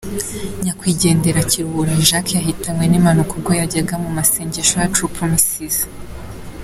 Nyakwigendera Kiruhura Jacques yahitanywe n'impanuka ubwo yajyaga mu masengesho ya True Promises.